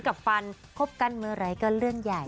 ครบกันเมื่อไรก็เรื่องใหญ่